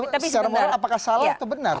tapi secara moral apakah salah atau benar